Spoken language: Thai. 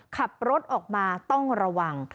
ขับรถออกมาต้องระวัง